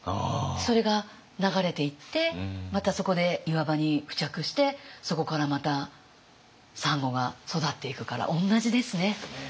それが流れていってまたそこで岩場に付着してそこからまたサンゴが育っていくから同じですね。